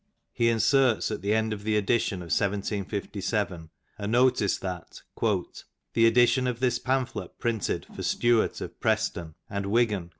He inserts at the end of the edition of 1757 a notice that "the edition of this pamphlet printed "for Stuart of Preston [and Wigan?